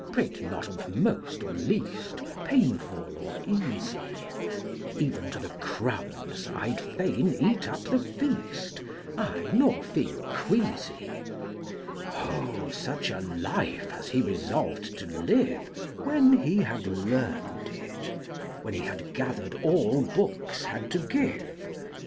Prate not of most or least, Painful or easy! Even to the crumbs I'd fain eat up the feast, Aye, nor feel queasy." Oh, such a life as he resolved to live, 65 When he had learned it, When he had gathered all books had to give!